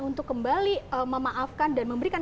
untuk kembali memaafkan dan memberikan